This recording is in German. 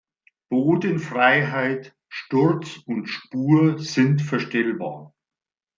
Bodenfreiheit, Sturz und Spur sind verstellbar.